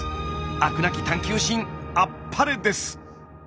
飽くなき探究心あっぱれです！